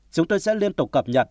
chúng tôi sẽ liên tục cập nhật